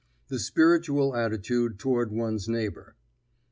THE SPIRITUAL ATTITUDE TOWARD ONE'S NEIGHBOR.